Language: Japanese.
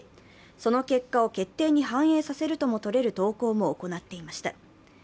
その結果を決定に反映させるともとれる投稿も行っていました。